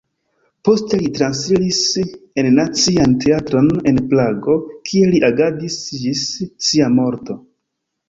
Poste li transiris en Nacian Teatron en Prago, kie li agadis ĝis sia morto.